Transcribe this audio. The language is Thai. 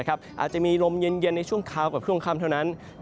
อาจจะมีลมเย็นในช่วงเช้ากับช่วงค่ำเท่านั้น